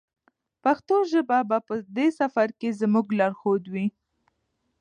پښتو ژبه به په دې سفر کې زموږ لارښود وي.